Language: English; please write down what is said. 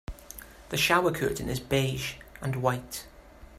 The shower curtain is beige and white.